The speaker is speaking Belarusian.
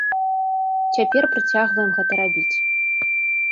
Цяпер працягваем гэта рабіць.